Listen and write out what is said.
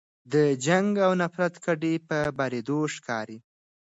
د جنګ او نفرت کډې په بارېدو ښکاري